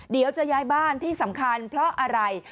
เดี๋ยวจะย้ายบ้านที่สำคัญเพราะอะไร